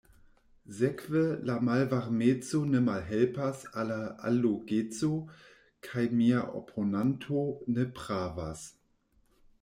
Sekve, la malvarmeco ne malhelpas al la allogeco, kaj mia oponanto ne pravas.